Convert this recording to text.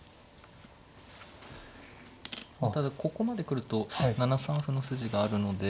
ただここまで来ると７三歩の筋があるので。